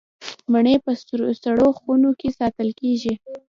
مڼې په سړو خونو کې ساتل کیږي.